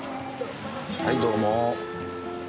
はいどうも。